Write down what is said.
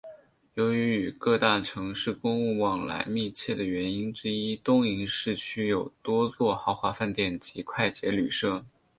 由于与各大城市公务往来密切的原因之一东营市区有多座豪华饭店及快捷旅舍。